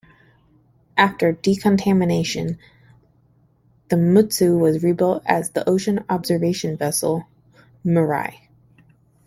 After decontamination, the "Mutsu" was rebuilt as the ocean observation vessel "Mirai".